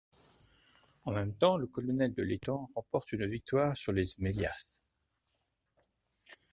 En même temps, le colonel de l'Étang remporte une victoire sur les Zmélias.